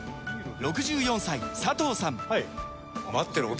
６４歳佐藤さん